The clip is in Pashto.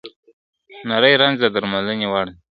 نري رنځ د درملنې وړ دی.